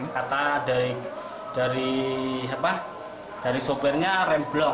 kata dari soekarno